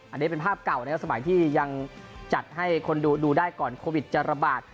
อันนี้เป็นภาพเก่านะครับสมัยที่ยังจัดให้คนดูได้ก่อนโควิดจะระบาด